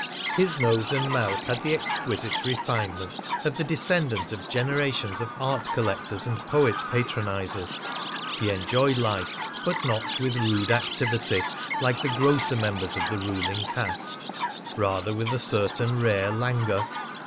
His nose and mouth had the exquisite refinement of the descendant of generations of art collectors and poet patronisers. He enjoyed life, but not with rude activity, like the grosser members of the ruling caste, rather with a certain rare languor.